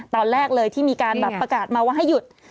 ตอนแรกเลยที่มีการแบบประกาศมาว่าให้หยุด